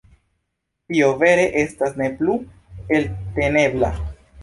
Tio vere estas ne plu eltenebla.